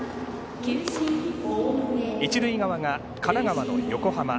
一塁側が神奈川の横浜。